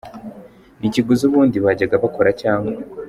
n’ikiguzi ubundi bajyaga bakora cyangwa.